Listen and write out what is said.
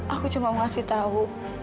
aku cuma mau kasih tahu